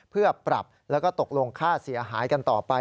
เพื่อปรับแล้วก็ตกลงค่าเสียหายกันต่อไป